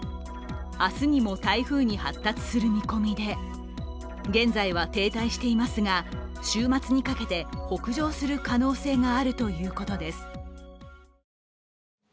明日にも台風に発達する見込みで現在は停滞していますが、週末にかけて北上する可能性があるということです。